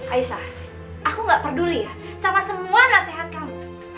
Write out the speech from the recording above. aisah aku gak peduli ya sama semua nasihat kamu